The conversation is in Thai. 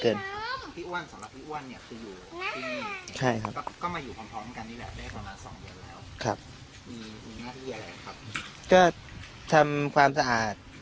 ได้ประมาณสองเดือนแล้วครับมีมีหน้าที่อะไรครับก็ทำความสะอาด